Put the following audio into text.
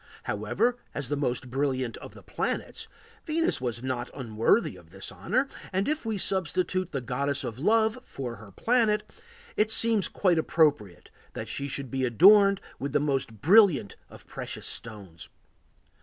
However, as the most brilliant of the planets, Venus was not unworthy of the honor, and if we substitute the Goddess of Love for her planet, it seems quite appropriate that she should be adorned with the most brilliant of precious stones.